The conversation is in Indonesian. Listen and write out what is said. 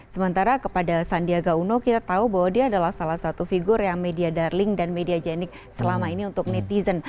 sementara kepada sandiaga uno kita tahu bahwa dia adalah salah satu figur yang media darling dan media genik selama ini untuk netizen